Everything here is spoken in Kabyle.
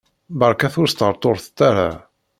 Berkat ur sṭerṭuret ara!